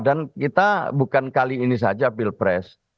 dan kita bukan kali ini saja pilpres